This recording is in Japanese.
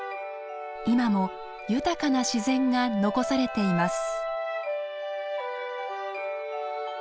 今も豊かな自然が残されています。